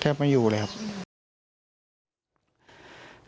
ไม่อยู่เลยครับ